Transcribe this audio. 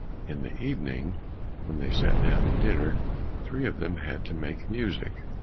In the evening when they sat down to dinner, three of them had to make music.